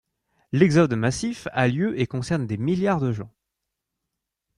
L'exode massif a lieu et concerne des milliards de gens.